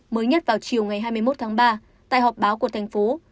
mới nhất vào chiều ngày hai mươi một tháng ba tại họp báo của thành phố